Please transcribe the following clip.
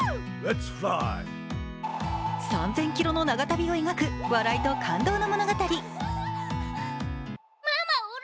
３０００ｋｍの長旅を描く笑いと感動の物語。